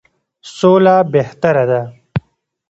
سوله بهتره ده.